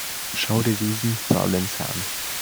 Schau dir diesen Faulenzer an!